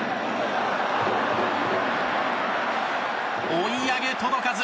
追い上げ届かず。